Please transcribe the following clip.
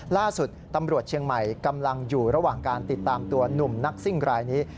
ล่าสุดตำรวจเชียงใหม่กำลังอยู่ระหว่างการติดตามตัวหนุ่มนักซิ่งรายนี้